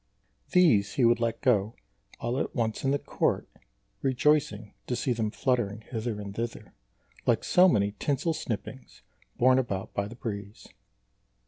These he would let go all at once in the court, rejoicing to see them fluttering hither and thither, like so many tinsel snippings borne about by the breeze.